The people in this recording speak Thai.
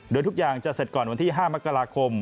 โดยทุกอย่างจะเสร็จก่อนวันที่๕มกราคม